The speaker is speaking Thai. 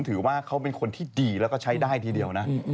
พวกเขาถามว่าจากไหน